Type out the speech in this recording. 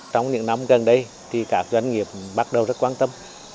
trong những năm gần đây thì các doanh nghiệp bắt đầu rất quan tâm